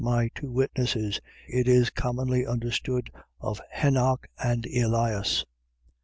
My two witnesses. . .It is commonly understood of Henoch and Elias.